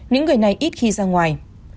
những người này ít khi ra ngoài